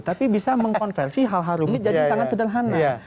tapi bisa mengkonversi hal hal rumit jadi sangat sederhana